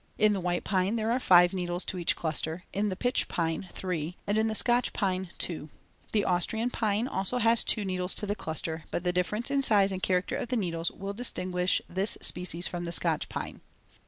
In the white pine there are five needles to each cluster, in the pitch pine three, and in the Scotch pine two. The Austrian pine also has two needles to the cluster, but the difference in size and character of the needles will distinguish this species from the Scotch pine.